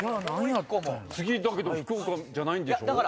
次「福岡」じゃないんでしょ。